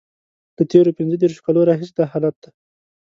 له تېرو پنځه دیرشو کالو راهیسې دا حالت دی.